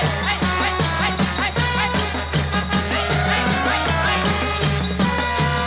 โอ้โหโอ้โหโอ้โห